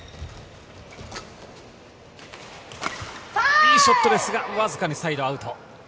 いいショットですが、わずかにサイドアウト。